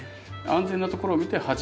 安全なところを見て８℃。